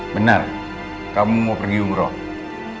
benar kamu mau pergi umroh